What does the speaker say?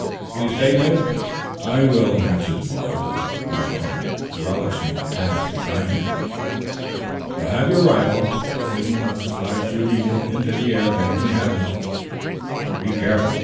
Will you stay, Ned?" "I will," answered the boy, though far from relishing the task assigned to him. "You have your rifle. Signal us by shooting into the air if anything happens. But be careful.